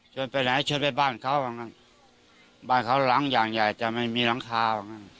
ชวนไปไหนชวนไปบ้านเขาบ้านเขาหลังอย่างใหญ่แต่ไม่มีหลังคา